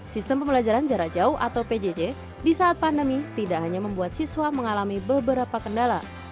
sistem pembelajaran jarak jauh atau pjj di saat pandemi tidak hanya membuat siswa mengalami beberapa kendala